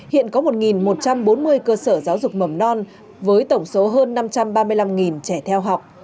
hiện có một một trăm bốn mươi cơ sở giáo dục mầm non với tổng số hơn năm trăm ba mươi năm trẻ theo học